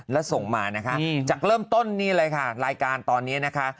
แล้วส่งมานะคะจากเริ่มต้นนี่เลยค่ะรายการตอนนี้นะคะ